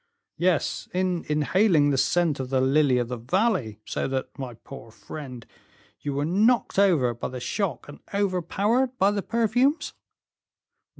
"Yes, in inhaling the scent of the lily of the valley; so that, my poor friend, you were knocked over by the shock and overpowered by the perfumes?"